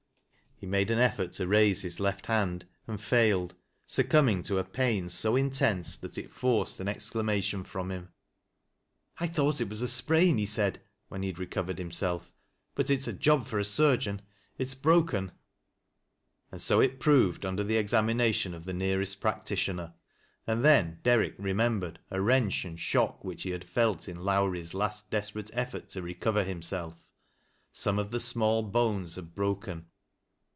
He made an effort to raise his left hand and failed succumbing to a pain so intense that it forced an excia mation from him. " I thought it was a sprain," he said, when he recovered himself, " but it is a job for a surgeon. It is broken." And so it proved under the examination of the nearest practitioner, and then Derrick remembered a wreneli and shock which he had felt in Lowrie's last desperate effort to recover himself. Some of the small bones had broken.